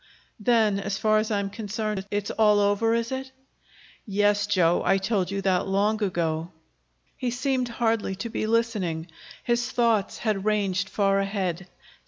"Then, as far as I am concerned, it's all over, is it?" "Yes, Joe. I told you that long ago." He seemed hardly to be listening. His thoughts had ranged far ahead.